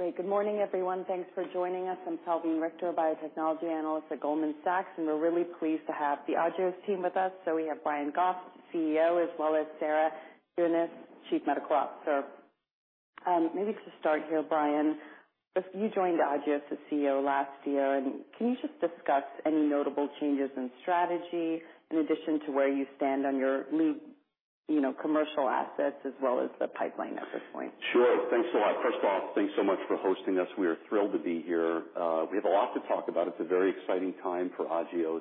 Great. Good morning, everyone. Thanks for joining us. I'm Salveen Richter, biotechnology analyst at Goldman Sachs. We're really pleased to have the Agios team with us. We have Brian Goff, CEO, as well as Sarah Gheuens, Chief Medical Officer. Maybe just to start here, Brian, if you joined Agios as CEO last year, can you just discuss any notable changes in strategy in addition to where you stand on your lead, you know, commercial assets as well as the pipeline at this point? Sure. Thanks a lot. First of all, thanks so much for hosting us. We are thrilled to be here. We have a lot to talk about. It's a very exciting time for Agios.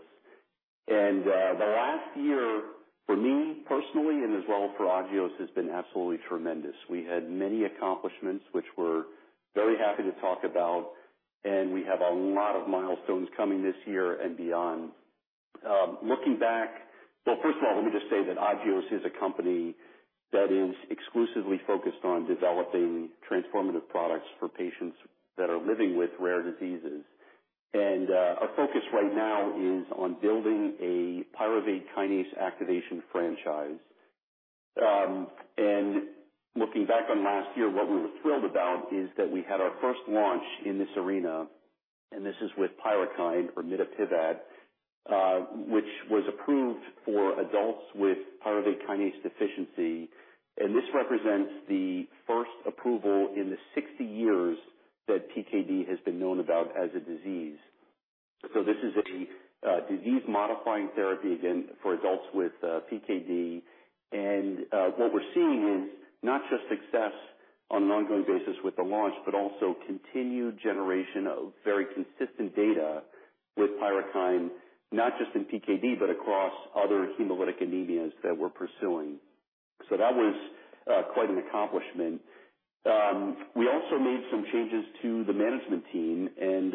The last year, for me personally and as well for Agios, has been absolutely tremendous. We had many accomplishments, which we're very happy to talk about. We have a lot of milestones coming this year and beyond. Well, first of all, let me just say that Agios is a company that is exclusively focused on developing transformative products for patients that are living with rare diseases. Our focus right now is on building a pyruvate kinase activation franchise. Looking back on last year, what we were thrilled about is that we had our first launch in this arena, and this is with PYRUKYND or mitapivat, which was approved for adults with pyruvate kinase deficiency. This represents the first approval in the 60 years that PKD has been known about as a disease. This is a disease-modifying therapy, again, for adults with PKD. What we're seeing is not just success on an ongoing basis with the launch, but also continued generation of very consistent data with PYRUKYND, not just in PKD, but across other hemolytic anemias that we're pursuing. That was quite an accomplishment. We also made some changes to the management team, and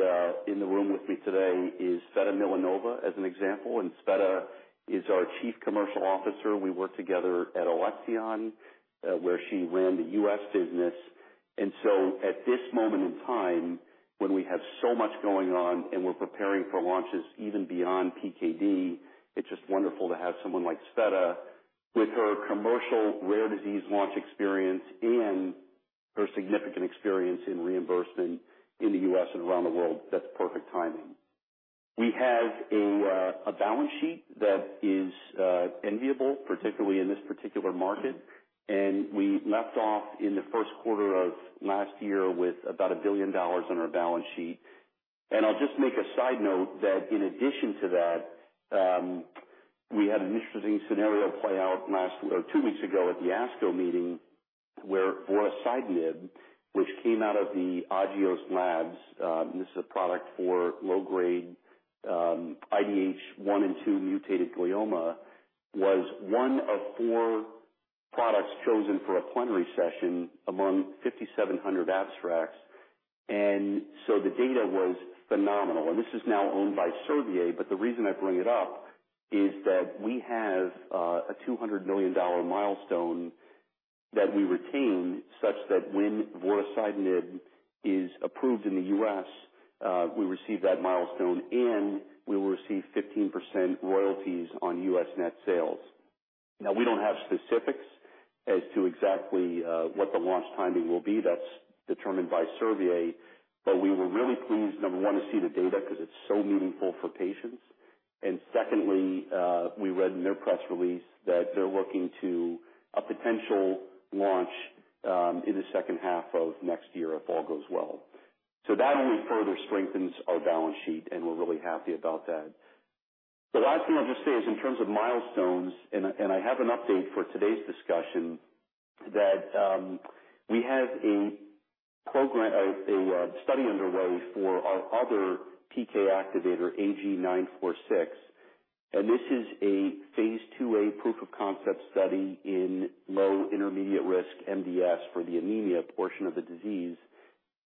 in the room with me today is Tsveta Milanova, as an example, and Tsveta is our Chief Commercial Officer. We worked together at Alexion, where she ran the U.S. business. At this moment in time, when we have so much going on and we're preparing for launches even beyond PKD, it's just wonderful to have someone like Sveta with her commercial rare disease launch experience and her significant experience in reimbursement in the U.S. and around the world. That's perfect timing. We have a balance sheet that is enviable, particularly in this particular market. We left off in the first quarter of last year with about $1 billion on our balance sheet. I'll just make a side note that in addition to that, we had an interesting scenario play out last, 2 weeks ago at the ASCO meeting, where vorasidenib, which came out of the Agios labs, this is a product for low-grade, IDH1 and IDH2 mutated glioma, was one of four products chosen for a plenary session among 5,700 abstracts. The data was phenomenal. This is now owned by Servier, but the reason I bring it up is that we have a $200 million milestone that we retain, such that when vorasidenib is approved in the U.S., we receive that milestone, and we will receive 15% royalties on U.S. net sales. We don't have specifics as to exactly what the launch timing will be. That's determined by Servier. We were really pleased, number 1, to see the data, because it's so meaningful for patients. Secondly, we read in their press release that they're looking to a potential launch in the second half of next year, if all goes well. That only further strengthens our balance sheet, and we're really happy about that. The last thing I'll just say is in terms of milestones, and I have an update for today's discussion, that we have a program, a study underway for our other PK activator, AG-946, and this is a phase 2a proof of concept study in low intermediate risk MDS for the anemia portion of the disease.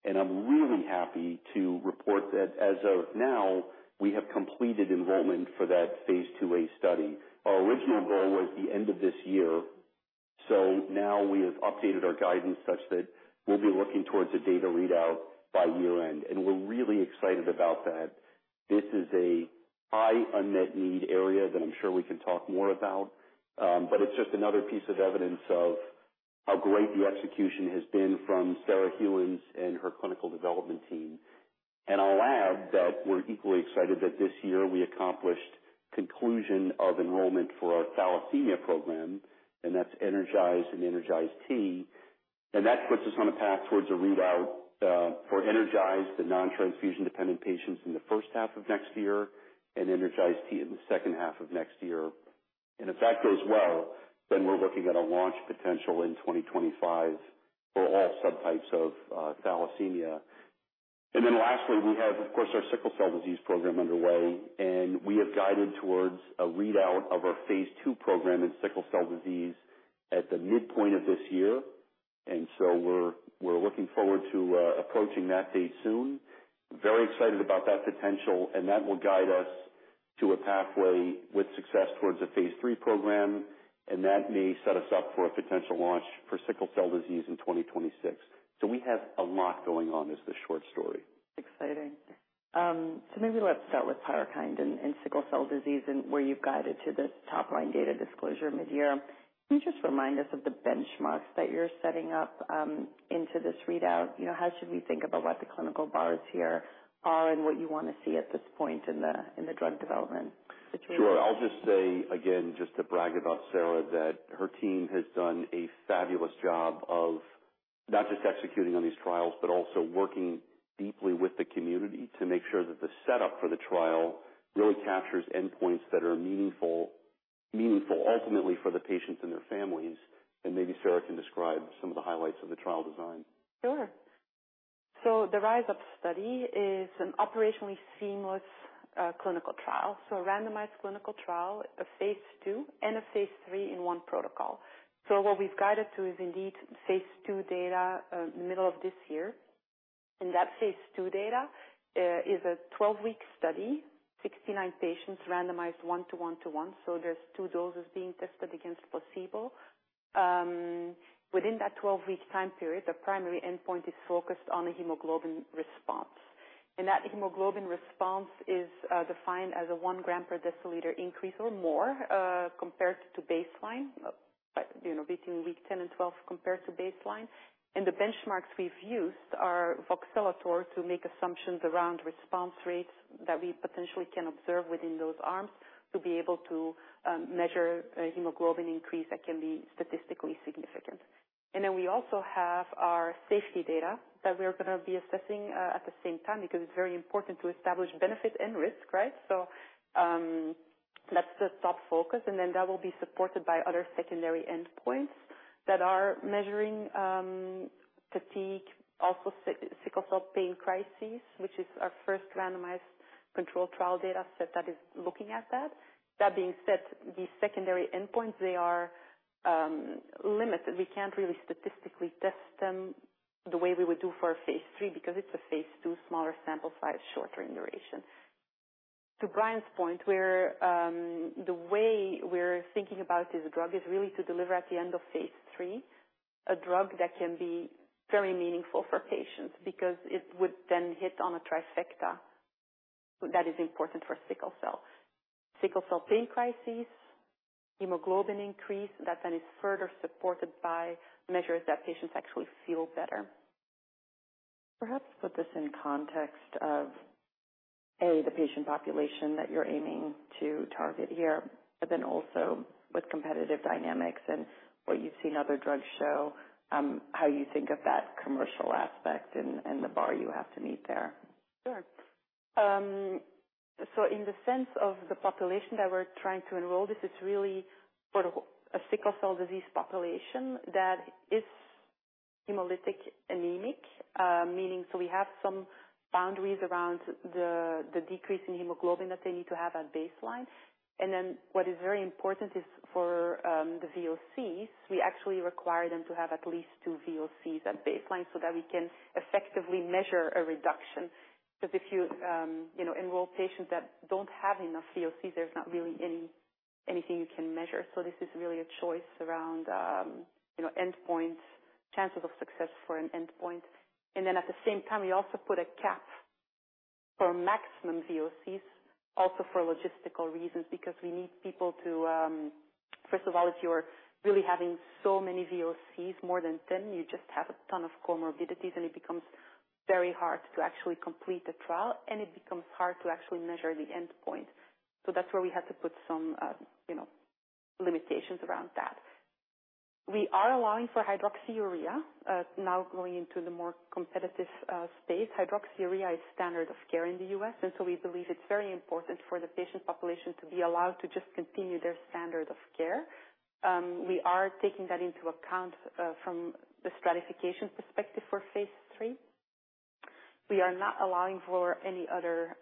I'm really happy to report that as of now, we have completed enrollment for that phase 2a study. Our original goal was the end of this year, so now we have updated our guidance such that we'll be looking towards a data readout by year-end, and we're really excited about that. This is a high unmet need area that I'm sure we can talk more about, but it's just another piece of evidence of how great the execution has been from Sarah Gheuens and her clinical development team. I'll add that we're equally excited that this year we accomplished conclusion of enrollment for our thalassemia program, and that's ENERGIZE and ENERGIZE-T. That puts us on a path towards a readout for ENERGIZE, the non-transfusion dependent patients in the first half of next year and ENERGIZE-T in the second half of next year. If that goes well, then we're looking at a launch potential in 2025 for all subtypes of thalassemia. Lastly, we have, of course, our sickle cell disease program underway, and we have guided towards a readout of our Phase 2 program in sickle cell disease at the midpoint of this year. We're looking forward to approaching that date soon. Very excited about that potential, and that will guide us to a pathway with success towards a Phase 3 program, and that may set us up for a potential launch for sickle cell disease in 2026. We have a lot going on.... Exciting. Maybe let's start with PYRUKYND and sickle cell disease and where you've guided to the top line data disclosure midyear. Can you just remind us of the benchmarks that you're setting up into this readout? You know, how should we think about what the clinical bars here are and what you want to see at this point in the drug development situation? Sure. I'll just say again, just to brag about Sarah, that her team has done a fabulous job of not just executing on these trials, but also working deeply with the community to make sure that the setup for the trial really captures endpoints that are meaningful ultimately for the patients and their families. Maybe Sarah can describe some of the highlights of the trial design. Sure. The RISE UP study is an operationally seamless clinical trial, a randomized clinical trial, a phase 2 and a phase 3 in 1 protocol. What we've guided to is indeed phase 2 data, middle of this year. That phase 2 data is a 12-week study, 69 patients randomized 1 - 1 - 1, there's 2 doses being tested against placebo. Within that 12-week time period, the primary endpoint is focused on a hemoglobin response. That hemoglobin response is defined as a 1 gram per deciliter increase or more, compared to baseline, you know, between week 10 and week 12 compared to baseline. The benchmarks we've used are voxelotor to make assumptions around response rates that we potentially can observe within those arms, to be able to measure a hemoglobin increase that can be statistically significant. We also have our safety data that we're going to be assessing, at the same time, because it's very important to establish benefit and risk, right? That's the top focus, and then that will be supported by other secondary endpoints that are measuring, fatigue, also sickle cell pain crises, which is our first randomized controlled trial data set that is looking at that. That being said, the secondary endpoints, they are limited. We can't really statistically test them the way we would do for a phase 3, because it's a phase 2, smaller sample size, shorter in duration. To Brian's point, where, the way we're thinking about this drug is really to deliver at the end of phase 3, a drug that can be very meaningful for patients, because it would then hit on a trifecta that is important for sickle cell. Sickle cell pain crises, hemoglobin increase, that then is further supported by measures that patients actually feel better. Perhaps put this in context of, A, the patient population that you're aiming to target here, but then also with competitive dynamics and what you've seen other drugs show, how you think of that commercial aspect and the bar you have to meet there. Sure. So in the sense of the population that we're trying to enroll, this is really for a sickle cell disease population that is hemolytic anemic, meaning so we have some boundaries around the decrease in hemoglobin that they need to have at baseline. What is very important is for the VOCs, we actually require them to have at least two VOCs at baseline so that we can effectively measure a reduction. If you know, enroll patients that don't have enough VOC, there's not really anything you can measure. This is really a choice around, you know, endpoint, chances of success for an endpoint. At the same time, we also put a cap for maximum VOCs, also for logistical reasons, because we need people to... First of all, if you are really having so many VOCs, more than ten, you just have a ton of comorbidities, and it becomes very hard to actually complete the trial, and it becomes hard to actually measure the endpoint. That's where we have to put some, you know, limitations around that. We are allowing for hydroxyurea, now going into the more competitive space. hydroxyurea is standard of care in the U.S., we believe it's very important for the patient population to be allowed to just continue their standard of care. We are taking that into account from the stratification perspective for Phase 3. We are not allowing for any other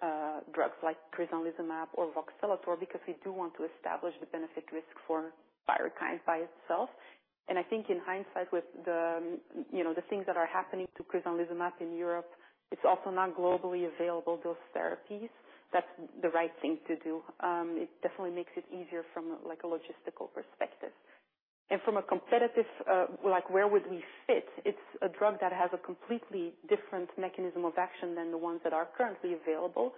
drugs like crizanlizumab or voxelotor, because we do want to establish the benefit risk for PYRUKYND by itself. I think in hindsight, with the, you know, the things that are happening to crizanlizumab in Europe, it's also not globally available, those therapies. That's the right thing to do. It definitely makes it easier from, like, a logistical perspective. From a competitive, like, where would we fit? It's a drug that has a completely different mechanism of action than the ones that are currently available.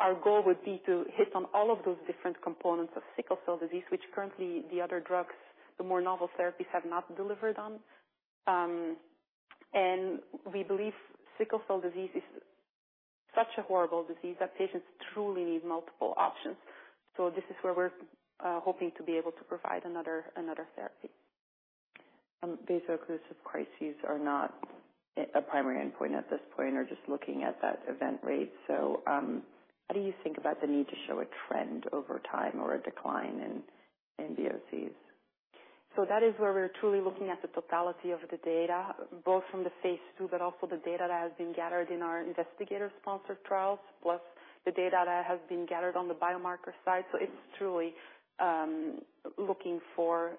Our goal would be to hit on all of those different components of sickle cell disease, which currently the other drugs, the more novel therapies, have not delivered on. We believe sickle cell disease is such a horrible disease that patients truly need multiple options. This is where we're hoping to be able to provide another therapy. Vaso-occlusive crises are not a primary endpoint at this point, or just looking at that event rate. How do you think about the need to show a trend over time or a decline in VOCs? That is where we're truly looking at the totality of the data, both from the Phase 2, but also the data that has been gathered in our investigator-sponsored trials, plus the data that has been gathered on the biomarker side. It's truly looking for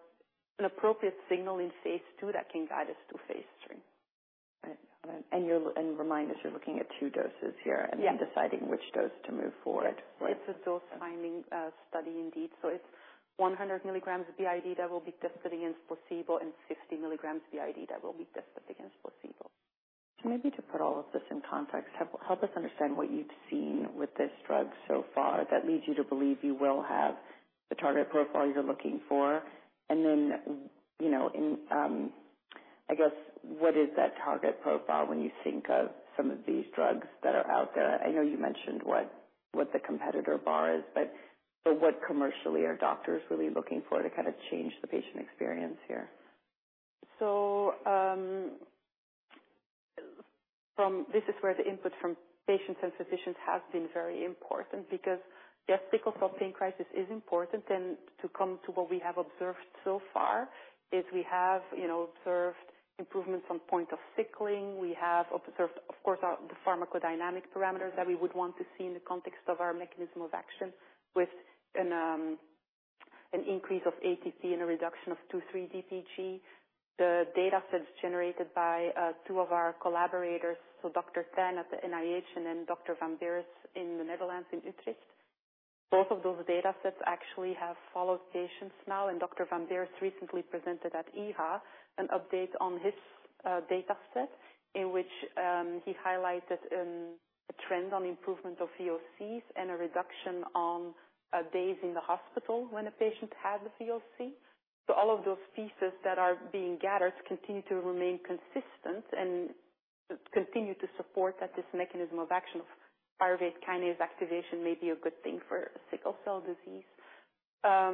an appropriate signal in Phase 2 that can guide us to Phase 3. Right. Remind us, you're looking at two doses here. Yeah. Deciding which dose to move forward, right? It's a dose finding, study indeed. It's 100 milligrams BID that will be tested against placebo and 50 milligrams BID that will be tested against placebo. Maybe to put all of this in context, help us understand what you've seen with this drug so far that leads you to believe you will have the target profile you're looking for. you know, in, I guess, what is that target profile when you think of some of these drugs that are out there? I know you mentioned what the competitor bar is, but what commercially are doctors really looking for to kind of change the patient experience here? This is where the input from patients and physicians has been very important because, yes, Sickle cell pain crisis is important, and to come to what we have observed so far, is we have, you know, observed improvements from point of sickling. We have observed, of course, the pharmacodynamic parameters that we would want to see in the context of our mechanism of action, with an increase of ATP and a reduction of two, three-DPG. The data sets generated by two of our collaborators, Dr. Tan at the NIH and then Dr. van Beers in the Netherlands, in Utrecht. Both of those data sets actually have followed patients now, and Dr. van Beers recently presented at EHA, an update on his data set, in which he highlighted a trend on improvement of VOCs and a reduction on days in the hospital when a patient had a VOC. All of those pieces that are being gathered continue to remain consistent and continue to support that this mechanism of action of pyruvate kinase activation may be a good thing for sickle cell disease. I,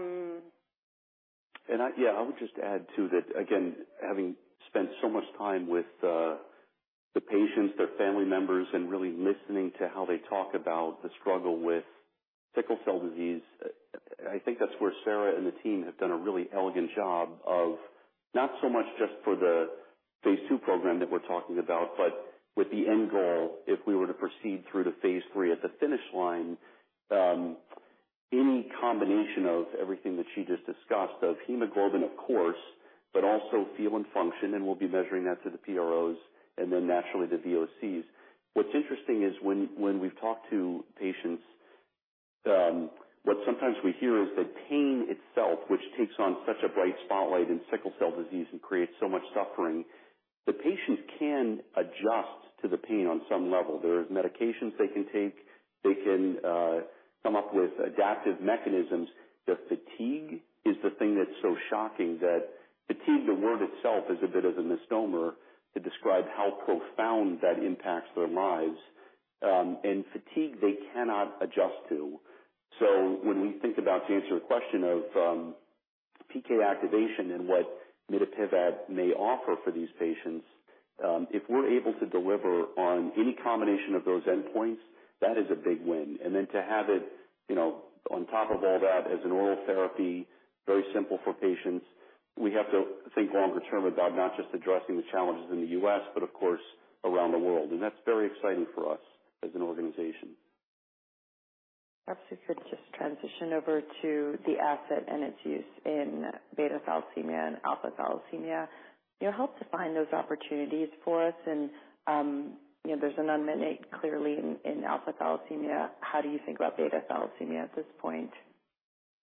yeah, I would just add, too, that again, having spent so much time with the patients, their family members, and really listening to how they talk about the struggle with sickle cell disease, I think that's where Sarah and the team have done a really elegant job of not so much just for the phase two program that we're talking about, but with the end goal, if we were to proceed through to phase three at the finish line, any combination of everything that she just discussed, of hemoglobin, of course, but also feel and function, and we'll be measuring that to the PROs and then naturally, the VOCs. What's interesting is when we've talked to patients, what sometimes we hear is that pain itself, which takes on such a bright spotlight in sickle cell disease and creates so much suffering, the patient can adjust to the pain on some level. There is medications they can take. They can come up with adaptive mechanisms. The fatigue is the thing that's so shocking, that fatigue, the word itself, is a bit of a misnomer to describe how profound that impacts their lives. And fatigue they cannot adjust to. When we think about, to answer your question of, PK activation and what mitapivat may offer for these patients, if we're able to deliver on any combination of those endpoints, that is a big win. To have it, you know, on top of all that, as an oral therapy, very simple for patients, we have to think longer term about not just addressing the challenges in the U.S., but of course, around the world. That's very exciting for us as an organization. Perhaps we could just transition over to the asset and its use in beta thalassemia and alpha-thalassemia. You helped to find those opportunities for us and, you know, there's an unmet need, clearly, in alpha-thalassemia. How do you think about beta thalassemia at this point?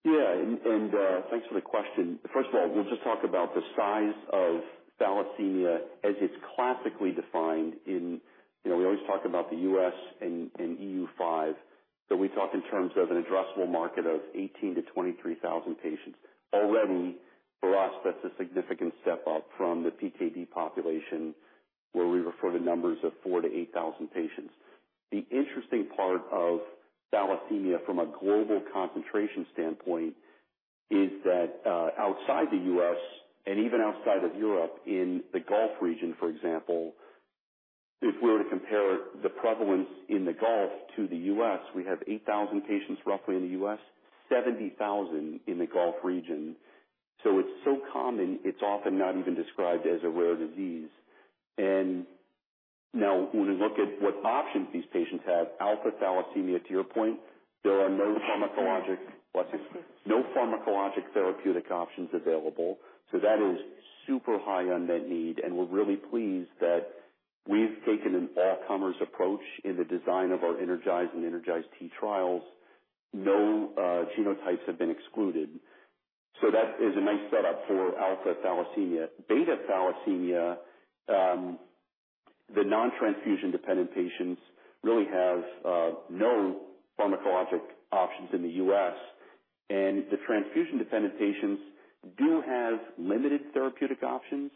Thanks for the question. First of all, we'll just talk about the size of thalassemia as it's classically defined in the U.S. and EU5. We talk in terms of an addressable market of 18,000-23,000 patients. Already, for us, that's a significant step up from the PKD population, where we refer to numbers of 4,000 patients-8,000 patients. The interesting part of thalassemia from a global concentration standpoint is that outside the U.S. and even outside of Europe, in the Gulf region, for example, if we were to compare the prevalence in the Gulf to the U.S., we have 8,000 patients roughly in the U.S., 70,000 in the Gulf region. It's so common, it's often not even described as a rare disease. Now, when we look at what options these patients have, alpha-thalassemia, to your point, there are no pharmacologic therapeutic options available. That is super high unmet need, and we're really pleased that we've taken an all-comers approach in the design of our ENERGIZE and ENERGIZE-T trials. No genotypes have been excluded. That is a nice setup for alpha-thalassemia. Beta thalassemia, the non-transfusion dependent patients really have no pharmacologic options in the U.S., and the transfusion-dependent patients do have limited therapeutic options.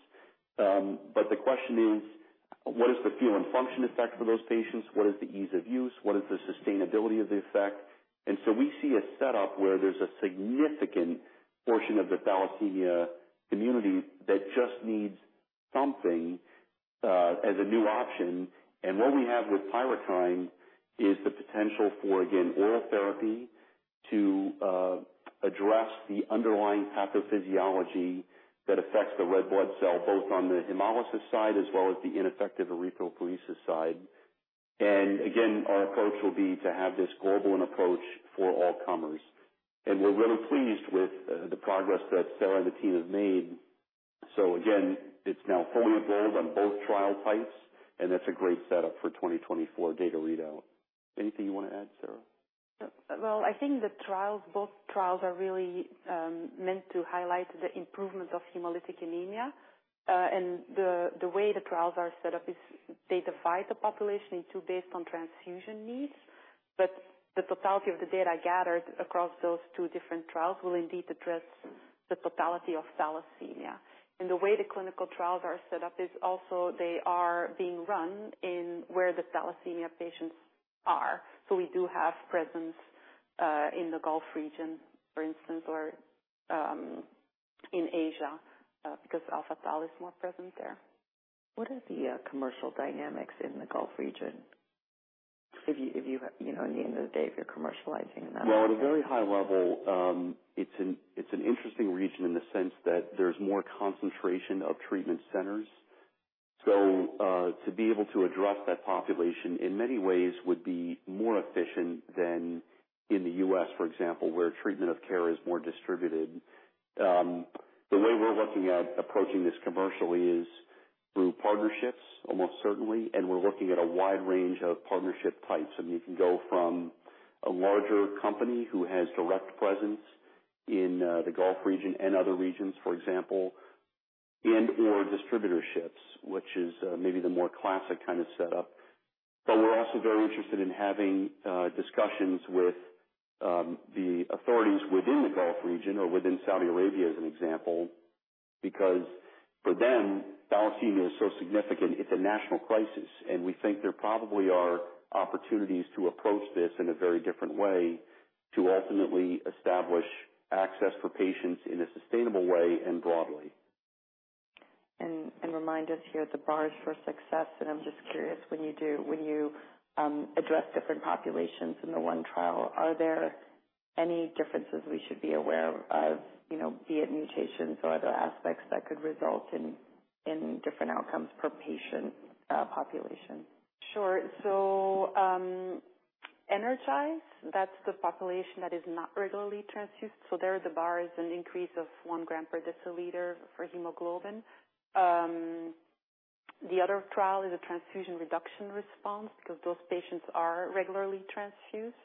The question is: What is the feel and function effect for those patients? What is the ease of use? What is the sustainability of the effect? We see a setup where there's a significant portion of the thalassemia community that just needs something as a new option. What we have with tebapivat is the potential for, again, oral therapy to address the underlying pathophysiology that affects the red blood cell, both on the hemolysis side as well as the ineffective erythropoiesis side. Again, our approach will be to have this global an approach for all comers. We're really pleased with the progress that Sarah and the team have made. Again, it's now fully enrolled on both trial sites, and that's a great setup for 2024 data readout. Anything you want to add, Sarah? Well, I think the trials, both trials are really meant to highlight the improvement of hemolytic anemia. The way the trials are set up is they divide the population in two based on transfusion needs. The totality of the data gathered across those two different trials will indeed address the totality of thalassemia. The way the clinical trials are set up is also they are being run in where the thalassemia patients are. We do have presence in the Gulf region, for instance, or in Asia, because alpha-thalassemia is more present there. What are the commercial dynamics in the Gulf region? If you know, at the end of the day, if you're commercializing them. Well, at a very high level, it's an interesting region in the sense that there's more concentration of treatment centers. To be able to address that population in many ways would be more efficient than in the U.S., for example, where treatment of care is more distributed. The way we're looking at approaching this commercially is through partnerships, almost certainly, and we're looking at a wide range of partnership types. I mean, you can go from a larger company who has direct presence in the Gulf region and other regions, for example, and/or distributorships, which is maybe the more classic kind of setup. We're also very interested in having discussions with the authorities within the Gulf region or within Saudi Arabia, as an example, because for them, thalassemia is so significant, it's a national crisis, and we think there probably are opportunities to approach this in a very different way to ultimately establish access for patients in a sustainable way and broadly. Remind us here the bars for success, and I'm just curious, when you address different populations in the one trial, are there any differences we should be aware of, you know, be it mutations or other aspects that could result in different outcomes per patient population? Sure. ENERGIZE, that's the population that is not regularly transfused, so there the bar is an increase of 1 gram per deciliter for hemoglobin. The other trial is a transfusion reduction response because those patients are regularly transfused.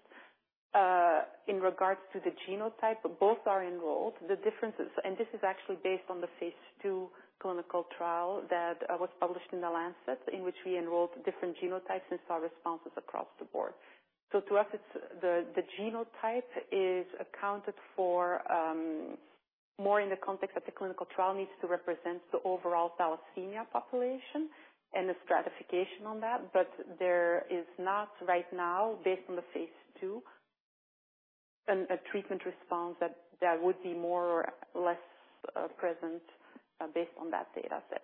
In regards to the genotype, both are enrolled. The differences, and this is actually based on the phase 2 clinical trial that was published in The Lancet, in which we enrolled different genotypes and saw responses across the board. To us, it's the genotype is accounted for more in the context that the clinical trial needs to represent the overall thalassemia population and the stratification on that. There is not right now, based on the phase 2, a treatment response that would be more or less present based on that data set.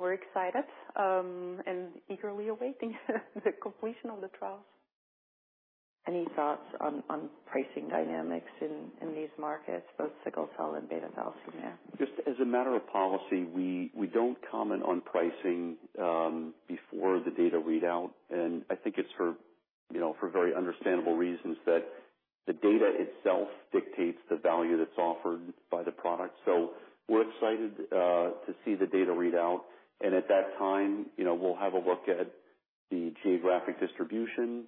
We're excited, and eagerly awaiting the completion of the trials. Any thoughts on pricing dynamics in these markets, both sickle cell and beta thalassemia? Just as a matter of policy, we don't comment on pricing before the data readout. I think it's for, you know, for very understandable reasons, that the data itself dictates the value that's offered by the product. We're excited to see the data readout. At that time, you know, we'll have a look at the geographic distribution,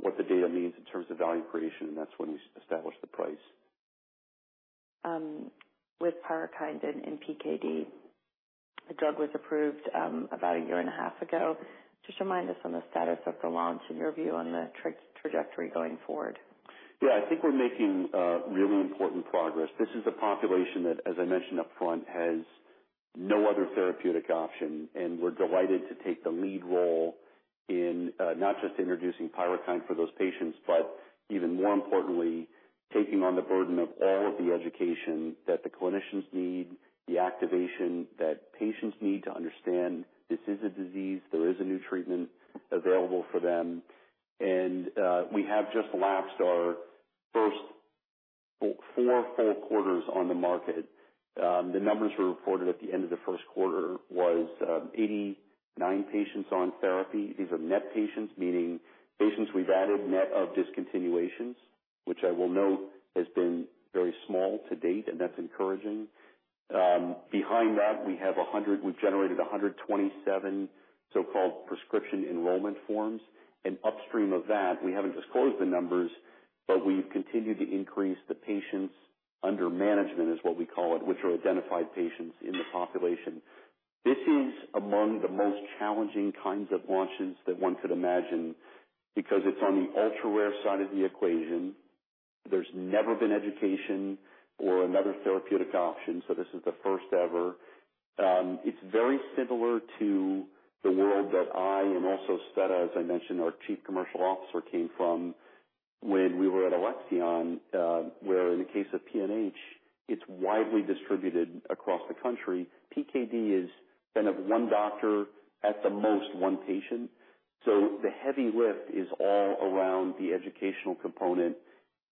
what the data means in terms of value creation. That's when you establish the price. With PYRUKYND in PKD, the drug was approved about a year and a half ago. Just remind us on the trajectory going forward. Yeah, I think we're making really important progress. This is a population that, as I mentioned up front, has no other therapeutic option, and we're delighted to take the lead role in not just introducing PYRUKYND for those patients, but even more importantly, taking on the burden of all of the education that the clinicians need, the activation that patients need to understand this is a disease, there is a new treatment available for them. We have just lapsed our first four full quarters on the market. The numbers were reported at the end of the first quarter, was 89 patients on therapy. These are net patients, meaning patients we've added net of discontinuations, which I will note has been very small to date, and that's encouraging. Behind that, we've generated 127 so-called prescription enrollment forms. Upstream of that, we haven't disclosed the numbers, but we've continued to increase the patients under management, is what we call it, which are identified patients in the population. This is among the most challenging kinds of launches that one could imagine, because it's on the ultra-rare side of the equation. There's never been education or another therapeutic option, so this is the first ever. It's very similar to the world that I, and also Sveta, as I mentioned, our Chief Commercial Officer, came from when we were at Alexion, where in the case of PNH, it's widely distributed across the country. PKD is kind of one doctor, at the most, one patient. The heavy lift is all around the educational component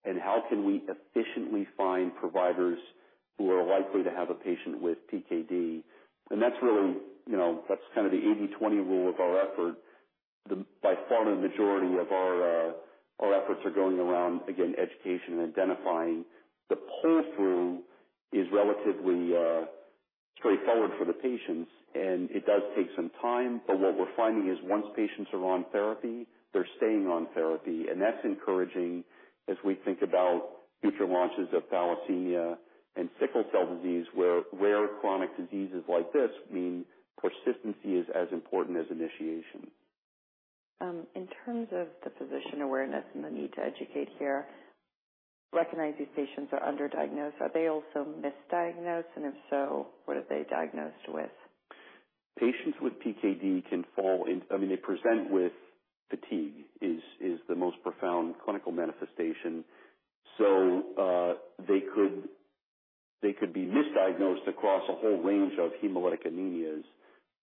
and how can we efficiently find providers who are likely to have a patient with PKD? That's really, you know, that's kind of the 80/20 rule of our effort. By far, the majority of our efforts are going around, again, education and identifying. The pull through is relatively straightforward for the patients, and it does take some time. What we're finding is once patients are on therapy, they're staying on therapy, and that's encouraging as we think about future launches of thalassemia and sickle cell disease, where rare chronic diseases like this mean persistency is as important as initiation. In terms of the physician awareness and the need to educate here, recognize these patients are underdiagnosed. Are they also misdiagnosed? If so, what are they diagnosed with? Patients with PKD I mean, they present with fatigue, is the most profound clinical manifestation. They could be misdiagnosed across a whole range of hemolytic anemias.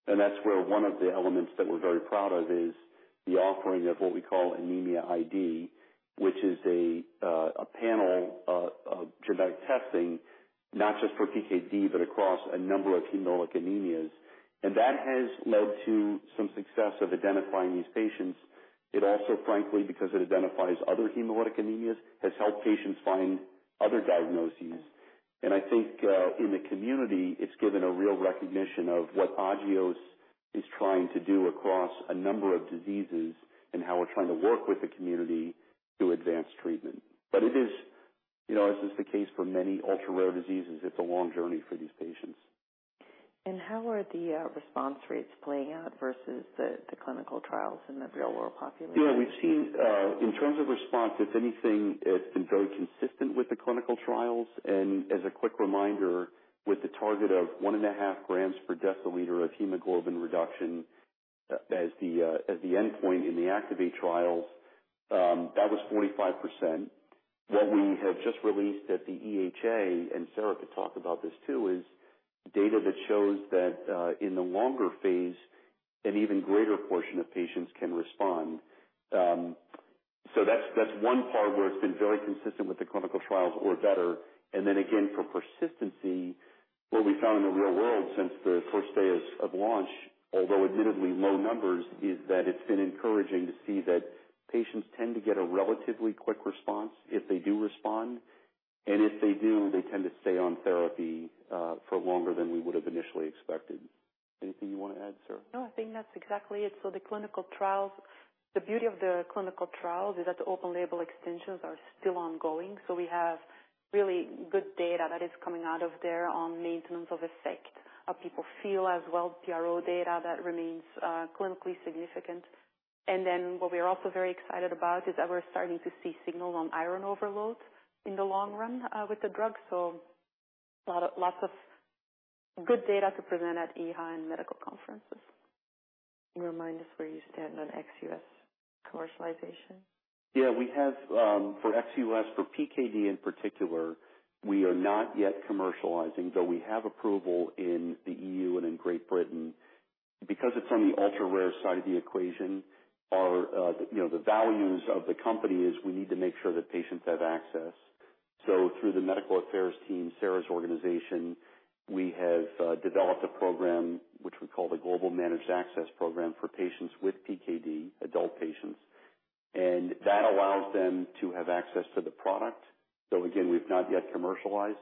That's where one of the elements that we're very proud of is the offering of what we call Anemia ID, which is a panel of genetic testing, not just for PKD, but across a number of hemolytic anemias. That has led to some success of identifying these patients. It also, frankly, because it identifies other hemolytic anemias, has helped patients find other diagnoses. I think, in the community, it's given a real recognition of what Agios is trying to do across a number of diseases and how we're trying to work with the community to advance treatment. It is, you know, this is the case for many ultra-rare diseases. It's a long journey for these patients. How are the response rates playing out versus the clinical trials in the real world population? We've seen in terms of response, if anything, it's been very consistent with the clinical trials. As a quick reminder, with the target of 1.5 grams per dL of hemoglobin reduction as the endpoint in the ACTIVATE trials, that was 45%. What we have just released at the EHA, and Sarah could talk about this, too, is data that shows that in the longer phase, an even greater portion of patients can respond. That's one part where it's been very consistent with the clinical trials or better. Again, for persistency, what we found in the real world since the first day of launch, although admittedly low numbers, is that it's been encouraging to see that patients tend to get a relatively quick response if they do respond. If they do, they tend to stay on therapy, for longer than we would have initially expected. Anything you want to add, Sarah? No, I think that's exactly it. The beauty of the clinical trials is that the open-label extensions are still ongoing, we have really good data that is coming out of there on maintenance of effect, how people feel, as well as PRO data that remains clinically significant. What we are also very excited about is that we're starting to see signals on iron overload in the long run with the drug. Lots of good data to present at EHA and medical conferences. Remind us where you stand on ex-U.S. commercialization. Yeah, we have, for ex-U.S., for PKD in particular, we are not yet commercializing, though we have approval in the EU and in Great Britain. It's on the ultra-rare side of the equation, our, you know, the values of the company is we need to make sure that patients have access. Through the medical affairs team, Sarah's organization, we have developed a program which we call the Global Managed Access Program, for patients with PKD, adult patients, and that allows them to have access to the product. Again, we've not yet commercialized.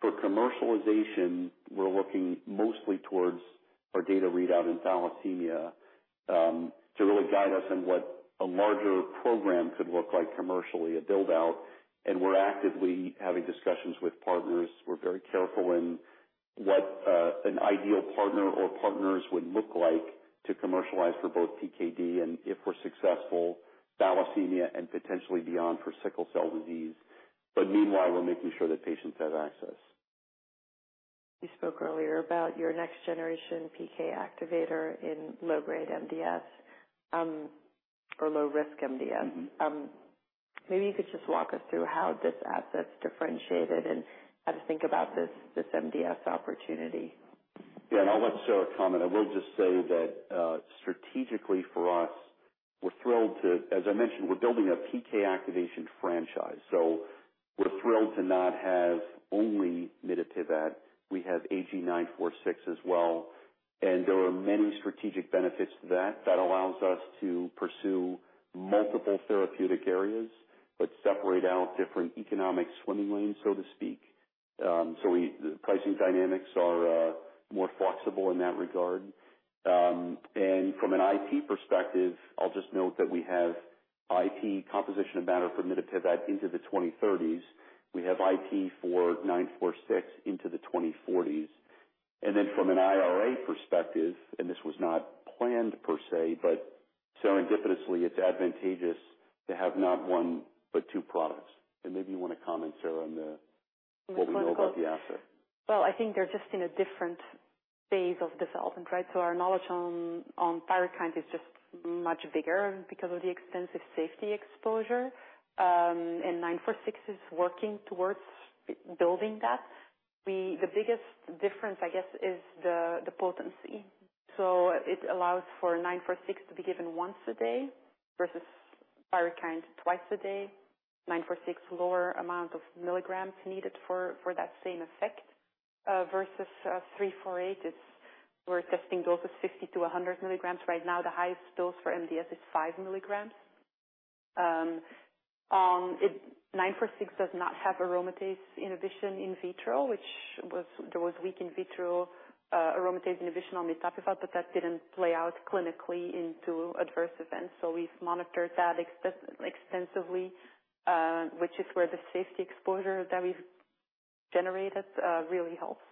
For commercialization, we're looking mostly towards our data readout in thalassemia, to really guide us on what a larger program could look like commercially, a build-out. We're actively having discussions with partners. We're very careful in what an ideal partner or partners would look like to commercialize for both PKD, and if we're successful, thalassemia and potentially beyond for sickle cell disease. Meanwhile, we're making sure that patients have access. You spoke earlier about your next generation PK activator in low-grade MDS, or low risk MDS. Mm-hmm. Maybe you could just walk us through how this asset's differentiated and how to think about this MDS opportunity? Yeah, I'll let Sarah comment. I will just say that strategically for us, we're thrilled to... As I mentioned, we're building a PK activation franchise, so we're thrilled to not have only mitapivat. We have AG-946 as well, and there are many strategic benefits to that. That allows us to pursue multiple therapeutic areas, but separate out different economic swimming lanes, so to speak. The pricing dynamics are more flexible in that regard. From an IP perspective, I'll just note that we have IP composition of matter for mitapivat into the 2030s. We have IP for AG-946 into the 2040s. Then from an IRA perspective, and this was not planned per se, but serendipitously, it's advantageous to have not one, but two products. Maybe you want to comment, Sarah, on the- The clinical- What we know about the asset. Well, I think they're just in a different phase of development, right? Our knowledge on PYRUKYND is just much bigger because of the extensive safety exposure, and AG-946 is working towards building that. The biggest difference, I guess, is the potency. It allows for AG-946 to be given once a day versus PYRUKYND twice a day. AG-946, lower amount of milligrams needed for that same effect, versus AG-348. We're testing doses 50 milligrams-100 milligrams. Right now, the highest dose for MDS is 5 milligrams. AG-946 does not have aromatase inhibition in vitro, which was, there was weak in vitro aromatase inhibition on mitapivat, but that didn't play out clinically into adverse events. We've monitored that extensively, which is where the safety exposure that we've generated really helps.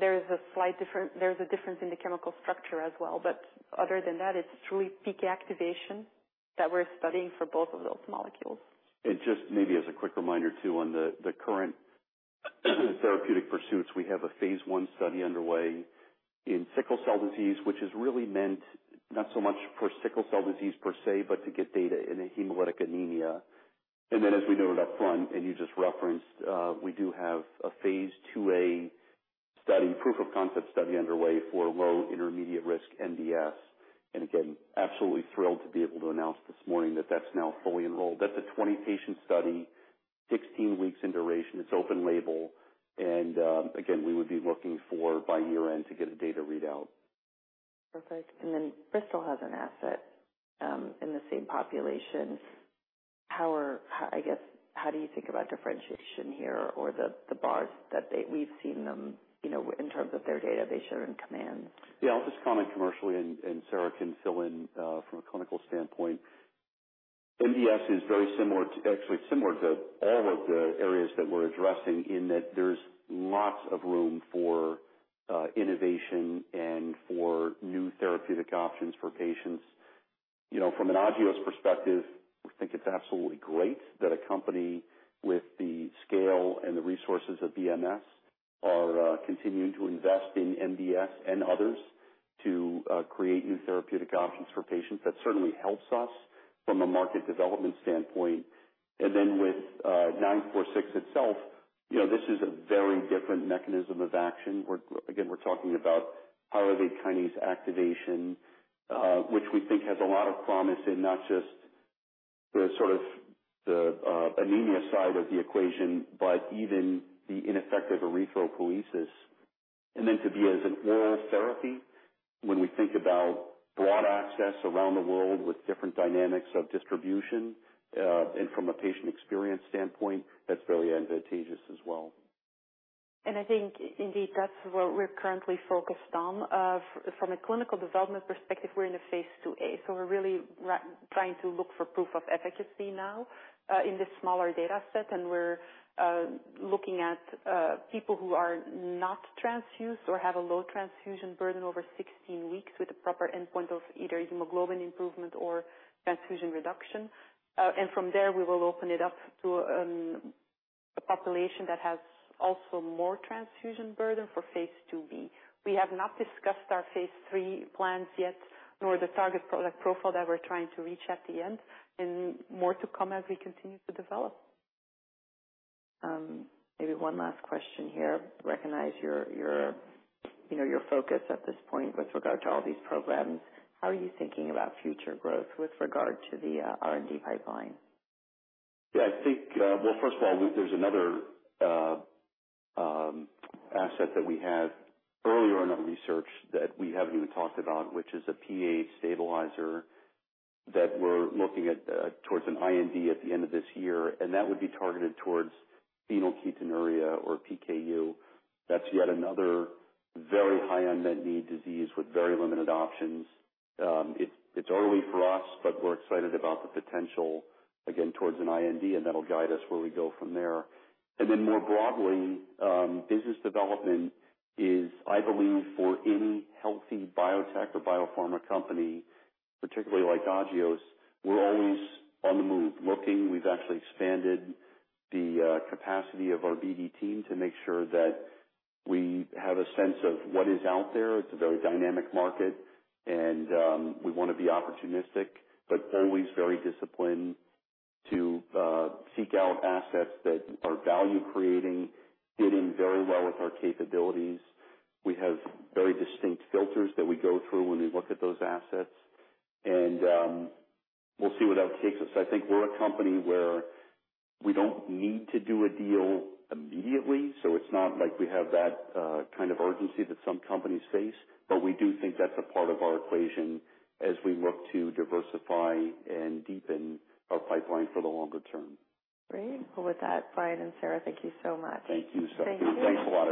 There's a slight difference in the chemical structure as well, but other than that, it's truly PK activation that we're studying for both of those molecules. Just maybe as a quick reminder, too, on the current therapeutic pursuits, we have a phase 1 study underway in sickle cell disease, which is really meant not so much for sickle cell disease per se, but to get data in a hemolytic anemia. Then, as we noted up front, and you just referenced, we do have a phase 2a study, proof of concept study underway for low intermediate risk MDS. Again, absolutely thrilled to be able to announce this morning that that's now fully enrolled. That's a 20-patient study, 16 weeks in duration. It's open label, and again, we would be looking for by year end to get a data readout. Perfect. Bristol has an asset in the same population. I guess, how do you think about differentiation here or the bars that we've seen them, you know, in terms of their data they share in COMMANDS? Yeah, I'll just comment commercially and Sarah can fill in from a clinical standpoint. MDS is very similar to all of the areas that we're addressing in that there's lots of room for innovation and for new therapeutic options for patients. You know, from an Agios perspective, we think it's absolutely great that a company with the scale and the resources of BMS are continuing to invest in MDS and others to create new therapeutic options for patients. That certainly helps us from a market development standpoint. With AG-946 itself, you know, this is a very different mechanism of action. Again, we're talking about highly potent PKR activation, which we think has a lot of promise in not just the sort of the anemia side of the equation, but even the ineffective erythropoiesis. To be as an oral therapy, when we think about broad access around the world with different dynamics of distribution, and from a patient experience standpoint, that's very advantageous as well. I think indeed, that's what we're currently focused on. From a clinical development perspective, we're in the phase 2a. We're really trying to look for proof of efficacy now in this smaller data set. We're looking at people who are not transfused or have a low transfusion burden over 16 weeks with the proper endpoint of either hemoglobin improvement or transfusion reduction. From there, we will open it up to a population that has also more transfusion burden for phase 2b. We have not discussed our phase 3 plans yet, nor the target product profile that we're trying to reach at the end, more to come as we continue to develop. Maybe one last question here. Recognize your, you know, your focus at this point with regard to all these programs. How are you thinking about future growth with regard to the R&D pipeline? Yeah, I think, well, first of all, there's another asset that we have earlier in our research that we haven't even talked about, which is a PAH stabilizer that we're looking at towards an IND at the end of this year, and that would be targeted towards phenylketonuria or PKU. That's yet another very high unmet need disease with very limited options. It's early for us, but we're excited about the potential, again, towards an IND, and that'll guide us where we go from there. More broadly, business development is, I believe, for any healthy biotech or biopharma company, particularly like Agios, we're always on the move, looking. We've actually expanded the capacity of our BD team to make sure that we have a sense of what is out there. It's a very dynamic market and we want to be opportunistic, but always very disciplined to seek out assets that are value creating, fit in very well with our capabilities. We have very distinct filters that we go through when we look at those assets, and we'll see where that takes us. I think we're a company where we don't need to do a deal immediately, so it's not like we have that kind of urgency that some companies face, but we do think that's a part of our equation as we look to diversify and deepen our pipeline for the longer term. Great. Well, with that, Brian and Sarah, thank you so much. Thank you, Sarah. Thank you. Thanks a lot, everyone.